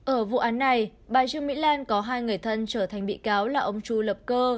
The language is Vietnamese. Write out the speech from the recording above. ở vụ án này bà trương mỹ lan có hai người thân trở thành bị cáo là ông chu lập cơ